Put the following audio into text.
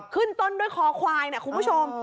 ขึ้นต้นด้วยคอควายนะคุณผู้ชม